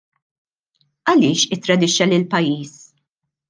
Għaliex ittradixxa lill-pajjiż?